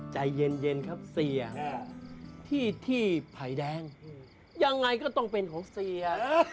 ใจเย็นครับเสียที่ไผ่แดงยังไงก็ต้องเป็นของเสีย